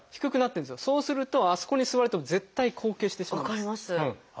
そうするとあそこに座ると絶対後傾してしまうんです。